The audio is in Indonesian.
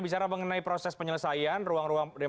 bicara mengenai proses penyelesaian